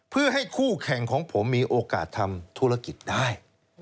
เพื่อให้คู่แข่งของผมมีโอกาสทำธุรกิจได้